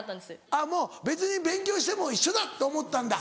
あっもう別に勉強しても一緒だと思ったんだ。